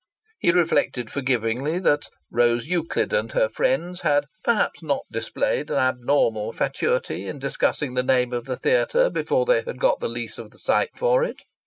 He reflected forgivingly that Rose Euclid and her friends had perhaps not displayed an abnormal fatuity in discussing the name of the theatre before they had got the lease of the site for it.